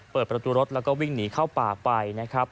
เปิดประตูรถแล้วก็วิ่งหนีเข้าป่าไปนะครับ